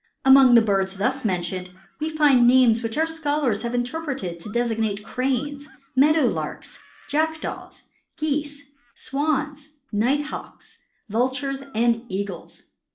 Among the birds thus mentioned we find names which our scholars have interpreted to designate Cranes, Meadow Larks, Jackdaws, Geese, Swans, Nighthawks, Vultures, and Eagles.